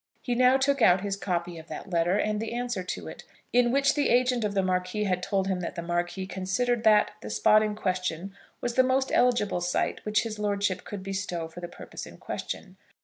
He now took out his copy of that letter, and the answer to it, in which the agent of the Marquis had told him that the Marquis considered that the spot in question was the most eligible site which his lordship could bestow for the purpose in question.